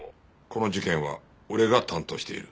この事件は俺が担当している。